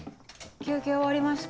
休憩終わりました。